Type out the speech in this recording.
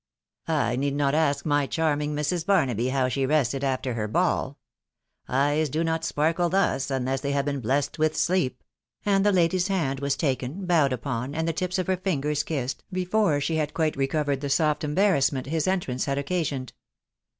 " I need not ask my charming Mrs. Barnaby how she rested after her ball .... eyes do not sparkle thus, unless they have been blessed with sleep ;...»" and the lady's hand was taken, bowed upon, and the tips of her fingers kissed, before she had quite recovered the soft embarrassment his entrance had occasioned.